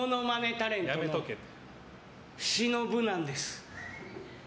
タレントのシノブなんです。